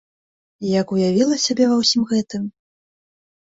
Як уявіла сябе ва ўсім гэтым!